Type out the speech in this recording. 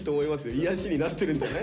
癒やしになってるんじゃない？